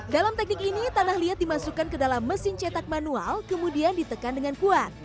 dalam teknik ini tanah liat dimasukkan ke dalam mesin cetak manual kemudian ditekan dengan kuat